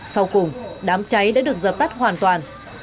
sau cùng đám cháy đã được dập tắt hoàn toàn